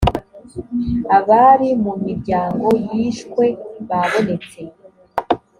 abari mu miryango yishwe babonetse